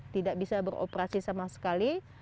tidak bisa beroperasi sama sekali